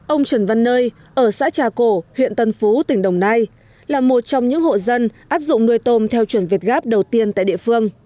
ông trần văn nơi ở xã trà cổ huyện tân phú tỉnh đồng nai là một trong những hộ dân áp dụng nuôi tôm theo chuẩn việt gáp đầu tiên tại địa phương